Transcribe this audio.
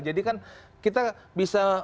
jadi kan kita bisa